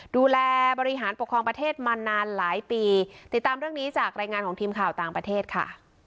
ดูแลบริหารปกครองประเทศมานานหลายปีติดตามเรื่องนี้จากรายงานของทีมข่าวต่างประเทศค่ะ